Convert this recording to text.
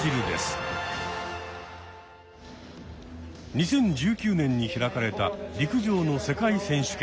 ２０１９年に開かれた陸上の世界選手権。